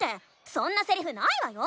そんなセリフないわよ！